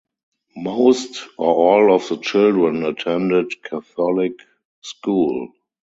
Most, or all of the children attended Catholic school.